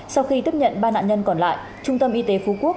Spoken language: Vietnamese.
sau khi tiếp nhận ba nạn nhân còn lại trung tâm y tế phú quốc